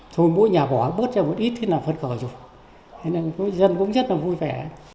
thôi mỗi nhà bỏ bớt ra một ít thì là phân khởi rồi nên dân cũng rất là vui vẻ